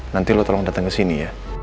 nanti lu tolong datang kesini ya